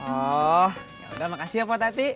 oh yaudah makasih ya pak tati